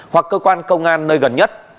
hoặc cơ quan công an nơi gần nhất